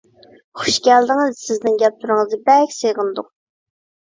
خۇش كەلدىڭىز! سىزنىڭ گەپلىرىڭىزنى بەك سېغىندۇق!